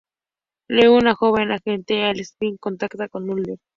Luego un joven agente, Alex Krycek, contacta con Mulder.